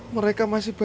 mereka masih di rumah